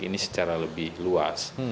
ini secara lebih luas